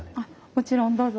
もちろんどうぞ。